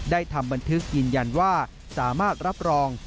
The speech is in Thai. ทำบันทึกยืนยันว่าสามารถรับรอง